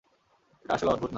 এটা আসলে অদ্ভুত না।